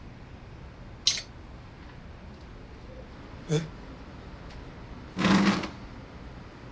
えっ？